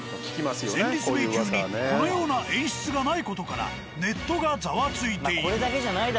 戦慄迷宮にこのような演出がない事からネットがざわついている。